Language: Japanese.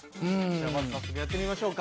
じゃあまず早速やってみましょうか。